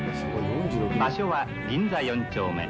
場所は銀座４丁目。